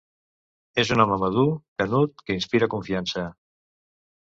És un home madur, canut, que inspira confiança.